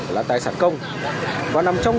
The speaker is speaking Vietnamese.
là tài sản công và nằm trong